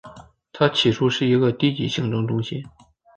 它起初是一个低级行政中心。